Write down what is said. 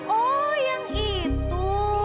oh yang itu